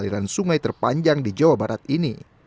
aliran sungai terpanjang di jawa barat ini